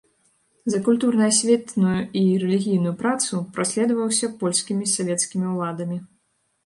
За культурна-асветную і рэлігійную працу праследаваўся польскімі свецкімі ўладамі.